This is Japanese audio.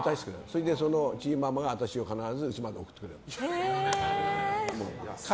それでそのチーママが必ず家まで送ってくれるの。